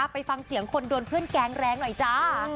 ไปฟังเสียงคนโดนเพื่อนแก๊งแรงหน่อยจ้า